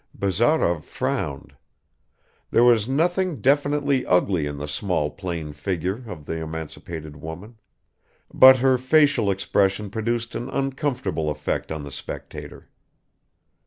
Bazarov frowned. There was nothing definitely ugly in the small plain figure of the emancipated woman; but her facial expression produced an uncomfortable effect on the spectator.